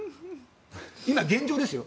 今、現状ですよ。